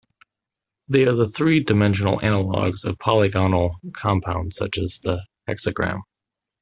They are the three-dimensional analogs of polygonal compounds such as the hexagram.